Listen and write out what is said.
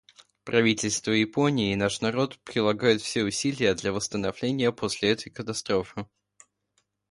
Правительство Японии и наш народ прилагают все усилия для восстановления после этой катастрофы.